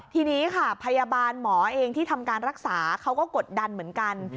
ทีนี้ค่ะพยาบาลหมอเองที่ทำการรักษาเขาก็กดดันเหมือนกัน